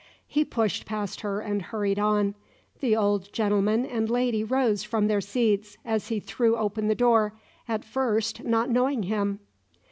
He pushed past her and hurried on. The old gentleman and lady rose from their seats as he threw open the door, at first not knowing him.